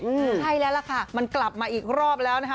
ใช่แล้วล่ะค่ะมันกลับมาอีกรอบแล้วนะคะ